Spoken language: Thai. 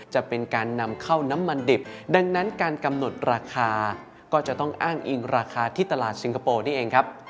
จะเป็นการนำเข้าน้ำมันดิบดังนั้นการกำหนดราคาก็จะต้องอ้างอิงราคาที่ตลาดสิงคโปร์นี่เองครับ